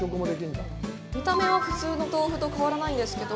見た目は普通の豆腐と変わらないんですけど。